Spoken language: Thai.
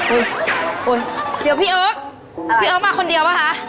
อุ๊ยเดี๋ยวพี่เอิ๊กพี่เอิ๊กมาคนเดียวป่ะคะ